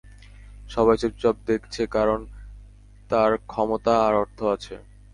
সবাই চুপচাপ দেখছে কারণ, তার ক্ষমতা আর অর্থ আছে।